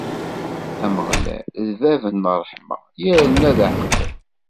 Ameɣlal, d bab n ṛṛeḥma, yerna d aḥeqqi.